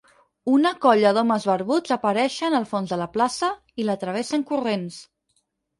Una colla d'homes barbuts apareixen al fons de la plaça i la travessen corrents.